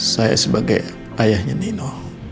saya sebagai ayahnya nino